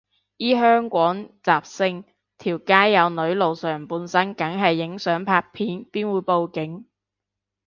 依香港人習性，條街有女露上半身梗係影相拍片，邊會報警